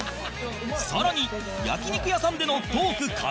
更に焼肉屋さんでのトーク完全版も